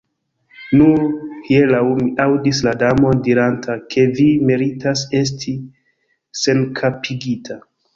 Nur hieraŭ mi aŭdis la Damon diranta ke vi meritas esti senkapigita.